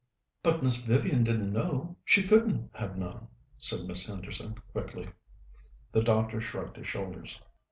"But Miss Vivian didn't know; she couldn't have known," said Miss Henderson quickly. The doctor shrugged his shoulders.